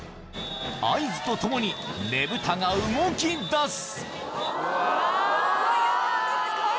合図とともにねぶたが動きだすうわ！